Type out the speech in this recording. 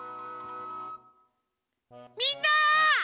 みんな！